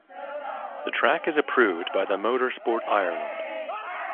The track is approved by the Motorsport Ireland.